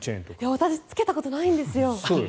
私つけたことないんですよ。